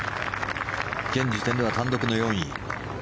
現時点では単独の４位。